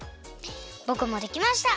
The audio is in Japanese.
ぼくもできました。